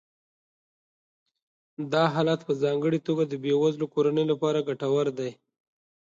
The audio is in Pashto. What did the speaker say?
دا حالت په ځانګړې توګه د بې وزله کورنیو لپاره ګټور دی